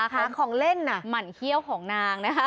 ของเล่นหมั่นเขี้ยวของนางนะคะ